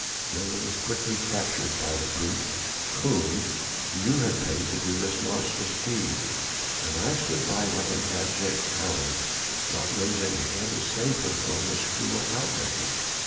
Gilda was quickly captured by the brute whom you had paid to do this monstrous deed, and I stood by like an abject coward, not raising a hand to save her from this cruel outrage."